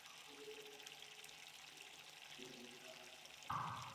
Gavumenti erina ekkatala okukuuma abaana n'abasomesa obutakwatibwa kirwadde kya ssenyiga omukambwe.